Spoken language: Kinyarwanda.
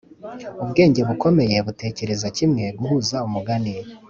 ubwenge bukomeye butekereza kimwe guhuza umugani